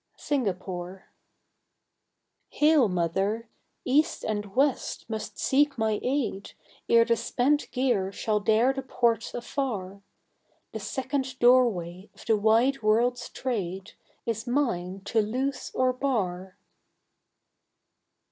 Singapore. Hail, Mother! East and West must seek my aid Ere the spent gear shall dare the ports afar. The second doorway of the wide world's trade Is mine to loose or bar.